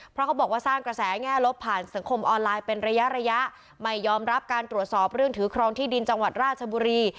เพราะเขาบอกว่าสร้างกระแสแง่ลบผ่านสังคมออนไลน์เป็นระยะระยะไม่ยอมรับการตรวจสอบเรื่องถือครองที่ดินจังหวัดราชบุรี